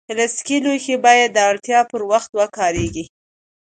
پلاستيکي لوښي باید د اړتیا پر وخت وکارېږي.